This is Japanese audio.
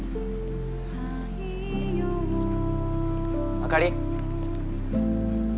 あかり